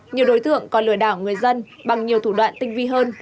nhiều đối tượng còn lừa đảo người dân bằng nhiều thủ đoạn tinh vi hơn